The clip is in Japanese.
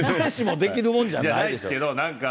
誰しもできるもんじゃないですよ。